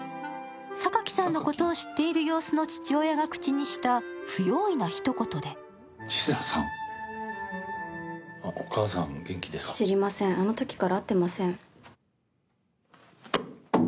榊さんのことを知っている様子の父親が口にした不用意なひと言で千紗さん、お母さん元気ですか知りません、あのときから会ってません。